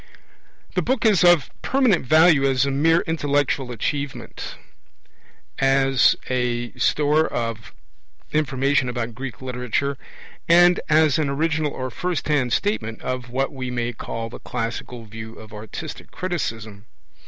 The book is of permanent value as a mere intellectual achievement; as a store of information about Greek literature; and as an original or first hand statement of what we may call the classical view of artistic criticism.